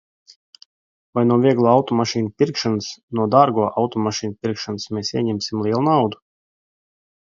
Vai no vieglo automašīnu pirkšanas, no dārgo automašīnu pirkšanas mēs ieņemsim lielu naudu?